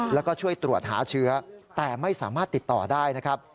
แล้วก็ช่วยตรวจหาเชื้อแต่ไม่สามารถติดต่อได้นะครับ